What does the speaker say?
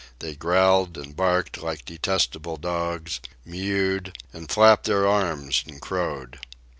They growled and barked like detestable dogs, mewed, and flapped their arms and crowed.